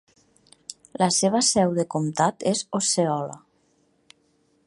La seva seu de comtat és Osceola.